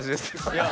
いや